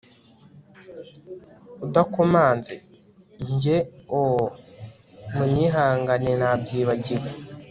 udakomanze!? njye oooh! munyihanganire nabyibagiwe